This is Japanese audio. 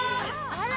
あら！